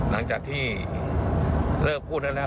มันจำที่เริ่มพูดนั้นแล้ว